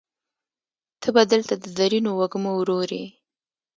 ته به دلته د زرینو وږمو ورور یې